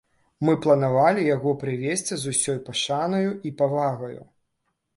Мы планавалі яго прывезці з усёй пашанаю і павагаю.